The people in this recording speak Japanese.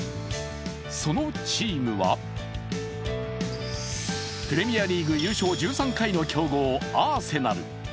そのチームは、プレミアリーグ優勝１３回の強豪・アーセナル。